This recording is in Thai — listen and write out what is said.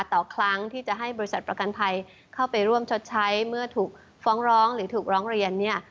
ต่อครั้งที่จะให้บริษัทประกันภัยเข้าไปร่วมชดใช้เมื่อถูกฟ้องร้องหรือถูกร้องเรียนเนี่ย